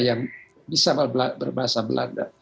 yang bisa berbahasa belanda